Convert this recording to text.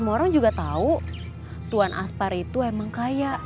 aku juga tahu tuan aspar itu emang kaya